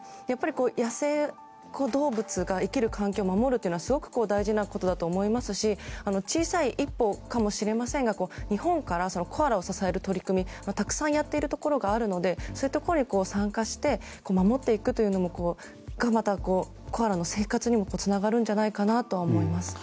野生動物の生きる環境を守るというのはすごく大事なことだと思いますし小さい一歩かもしれませんが日本からコアラを支える取り組み、たくさんやっているところがあるのでそういうところに参加して守っていくというのがコアラの生活にもつながるんじゃないかとは思います。